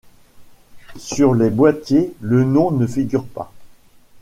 Sur les boîtiers, le nom ne figure pas.